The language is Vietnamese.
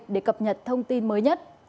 để cập nhật thông tin mới nhất